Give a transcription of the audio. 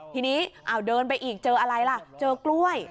ทีนี้เดินไปอีกเจออะไรล่ะเจอกล้วย